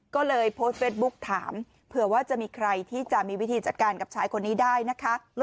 ก็เลยโพสต์เฟสบุ๊กถามเผื่อว่าจะมีใครที่จะมีวิธีจัดการกับชายคนนี้ได้นะคะ